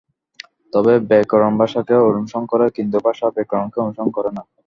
তবে ব্যাকরণ ভাষাকে অনুসরণ করে কিন্তু ভাষা ব্যাকরণকে অনুসরণ করে না।